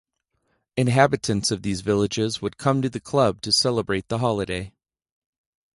Inhabitants of these villages would come to the club to celebrate the holiday.